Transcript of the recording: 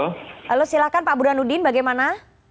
lalu silakan pak burhanuddin bagaimana